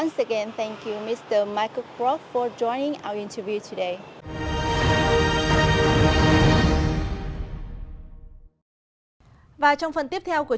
nếu chúng ta nhìn vào hướng dẫn của unesco